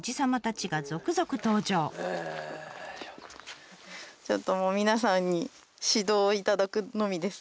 ちょっともう皆さんに指導を頂くのみです。